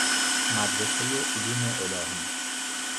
مدرسه علوم الهی